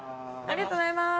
ありがとうございます。